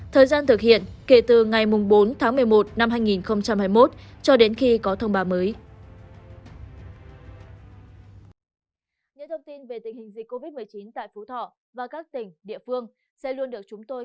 thời gian thực hiện kể từ ngày bốn tháng một mươi một năm hai nghìn hai mươi một cho đến khi có thông báo mới